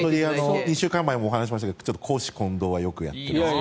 ２週間前も話しましたが公私混同はよくさせてもらって。